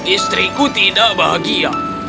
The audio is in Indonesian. istriku tidak bahagia